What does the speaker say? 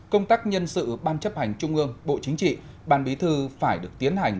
công tác nhân sự ban chấp hành trung ương bộ chính trị ban bí thư phải được tiến hành